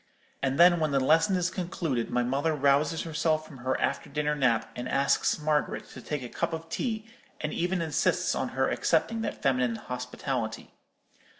And then, when the lesson is concluded, my mother rouses herself from her after dinner nap, and asks Margaret to take a cup of tea, and even insists on her accepting that feminine hospitality.